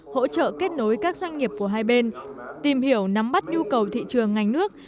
hỗ trợ kết nối các doanh nghiệp của hai bên tìm hiểu nắm bắt nhu cầu thị trường ngành nước